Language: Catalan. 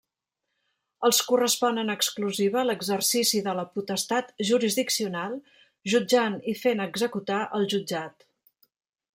Els correspon en exclusiva l'exercici de la potestat jurisdiccional, jutjant i fent executar el jutjat.